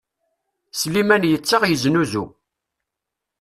Sliman yettaɣ yeznuzu.